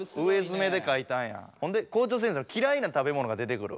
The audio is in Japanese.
ほんで「校長先生のきらいな食べ物が出てくる」。